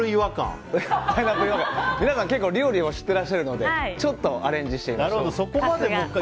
皆さん、結構料理を知ってらっしゃるのでちょっとアレンジしてみました。